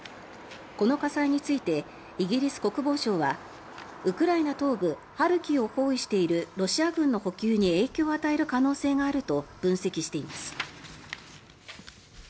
この火災についてイギリス国防省はウクライナ東部ハルキウを包囲しているロシア軍の補給に影響を与える可能性があると分析しています。